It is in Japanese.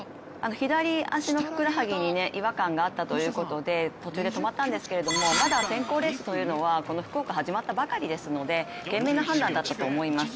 左足のふくらはぎに違和感があったということで途中で止まったんですけれどもまだ選考レースはこの福岡、始まったばかりですので賢明な判断だったと思います。